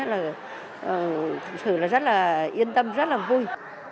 là sự rất là yên tâm rất là vui